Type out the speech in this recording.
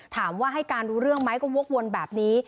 ถามว่าให้การรู้เรื่องไหมก็วกวนแบบนี้